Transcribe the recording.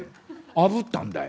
あぶったんだよ」。